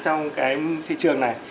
trong cái thị trường này